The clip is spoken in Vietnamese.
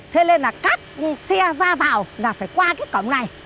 thế nên là các xe ra vào là phải qua cái cổng này